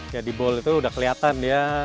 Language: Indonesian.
ya di ball itu udah kelihatan dia